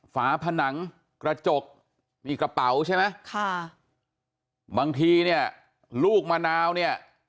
ฝาผนังกระจกมีกระเป๋าใช่ไหมค่ะบางทีเนี่ยลูกมะนาวเนี่ย